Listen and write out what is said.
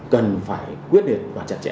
cần phải quyết định và chặt chẽ